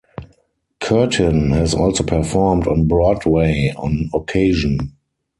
Curtin has also performed on Broadway on occasion.